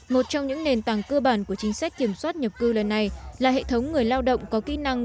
một trong những nền tảng cơ bản của chính sách kiểm soát nhập cư lần này là hệ thống người lao động có kỹ năng